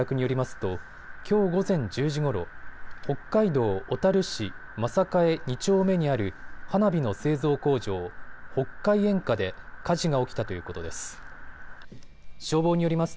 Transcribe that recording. ときょう午前１０時ごろ、北海道小樽市真栄２丁目にある花火の製造工場、北海煙火で火事が起きたということです。